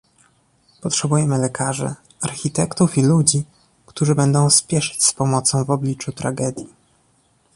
Potrzebujemy lekarzy, architektów i ludzi, którzy będą spieszyć z pomocą w obliczu tragedii